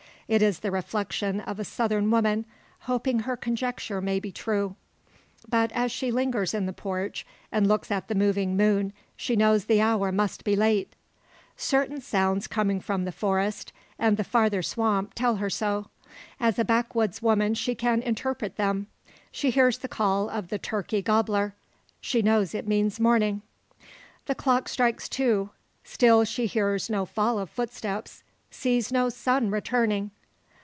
It is the reflection of a Southern woman, hoping her conjecture may be true. But, as she lingers in the porch, and looks at the moving moon, she knows the hour must be late. Certain sounds coming from the forest, and the farther swamp, tell her so. As a backwoods woman she can interpret them. She hears the call of the turkey "gobbler." She knows it means morning. The clock strikes two; still she hears no fall of footstep sees no son returning!